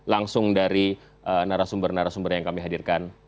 langsung dari narasumber narasumber yang kami hadirkan